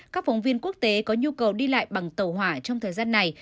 các phóng viên quốc tế có nhu cầu đi lại bằng tàu hỏa trong thời gian này